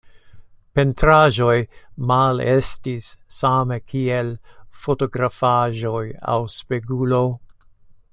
Pentraĵoj malestis same kiel fotografaĵoj aŭ spegulo.